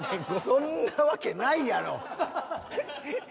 そんなわけないやろ。